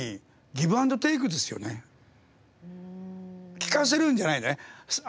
聞かせるんじゃないね。